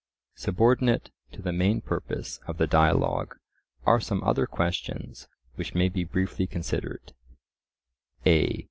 Subordinate to the main purpose of the dialogue are some other questions, which may be briefly considered:— a.